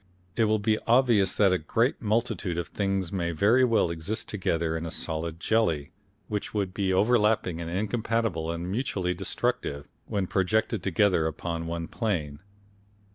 It will be obvious that a great multitude of things may very well exist together in a solid jelly, which would be overlapping and incompatible and mutually destructive, when projected together upon one plane.